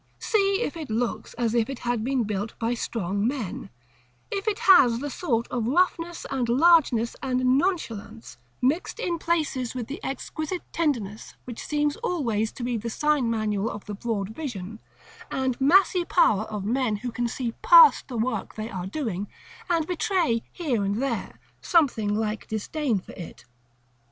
See if it looks as if it had been built by strong men; if it has the sort of roughness, and largeness, and nonchalance, mixed in places with the exquisite tenderness which seems always to be the sign manual of the broad vision, and massy power of men who can see past the work they are doing, and betray here and there something like disdain for it.